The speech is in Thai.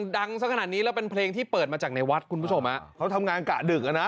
ดังสักขนาดนี้แล้วเป็นเพลงที่เปิดมาจากในวัดคุณผู้ชมฮะเขาทำงานกะดึกอ่ะนะ